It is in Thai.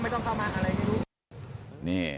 ไม่ต้องเข้ามาอะไร